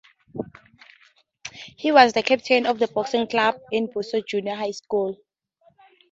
He was the captain of the boxing club in Buso Junior High School.